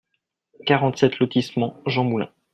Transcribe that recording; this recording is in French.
quarante-sept lotissement Jean Moulin